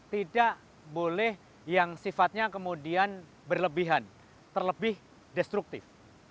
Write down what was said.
tidak boleh yang sifatnya kemudian berlebihan terlebih destruktif